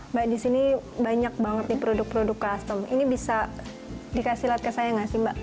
mbak di sini banyak banget nih produk produk custom ini bisa dikasih lihat ke saya nggak sih mbak